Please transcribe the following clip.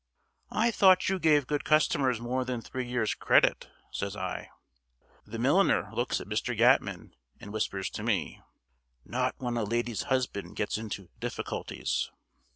"I thought you gave good customers more than three years' credit?" says I. The milliner looks at Mr. Yatman, and whispers to me, "Not when a lady's husband gets into difficulties."